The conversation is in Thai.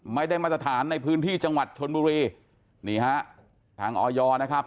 ไม่ได้มาตรฐานในพื้นที่จังหวัดชนบุรีนี่ฮะทางออยนะครับ